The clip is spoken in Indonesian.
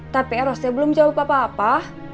tapi eros teh belum jawab apa apa